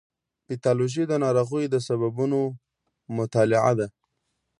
پیتالوژي د ناروغیو د سببونو مطالعه ده.